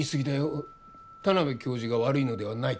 田邊教授が悪いのではないからね。